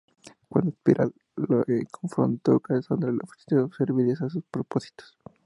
Cuando Espiral la confrontó, Cassandra le ofreció servirle a sus propósitos.